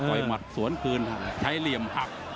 ยหมัดสวนคืนใช้เหลี่ยมหัก